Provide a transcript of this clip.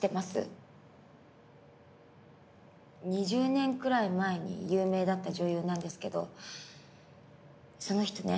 ２０年くらい前に有名だった女優なんですけどその人ね